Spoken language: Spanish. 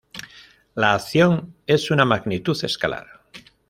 La acción es una magnitud escalar.